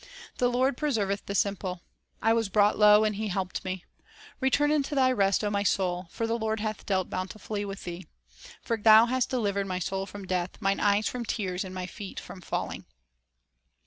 "The Lord preserveth the simple; 1 was brought low, and He helped me. Return unto thy rest, O my soul ; For the Lord hath dealt bountifully with thee. For Thou hast delivered my soul from death, mine eyes from tears, and my feet from falling."